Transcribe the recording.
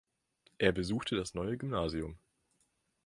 Er besuchte das Neue Gymnasium.